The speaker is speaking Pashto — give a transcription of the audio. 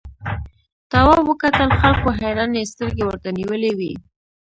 تواب وکتل خلکو حیرانې سترګې ورته نیولې وې.